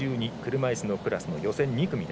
車いすのクラスの予選２組。